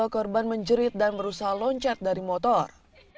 korban menjerit dan berusaha loncat dari motor